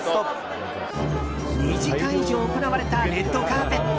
２時間以上行われたレッドカーペット。